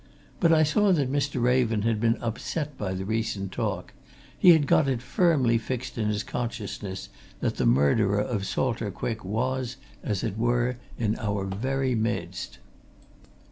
But I saw that Mr. Raven had been upset by the recent talk: he had got it firmly fixed in his consciousness that the murderer of Salter Quick was, as it were, in our very midst.